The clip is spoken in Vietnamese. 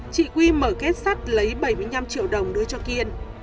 chị quy mở kết sắt lấy bảy mươi năm triệu đồng đưa cho kiên